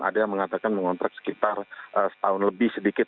ada yang mengatakan mengontrak sekitar setahun lebih sedikit